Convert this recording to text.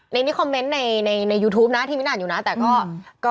ในนี้คอมเมนต์ในในยูทูปนะที่มิ้นอ่านอยู่นะแต่ก็